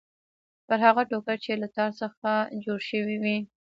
یا هغه ټوکر چې له تار څخه جوړ شوی وي.